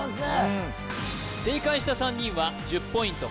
うん正解した３人は１０ポイント